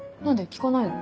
聞かないの？